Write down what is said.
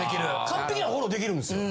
完璧なフォローできるんですよ。